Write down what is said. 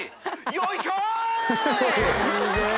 よいしょい！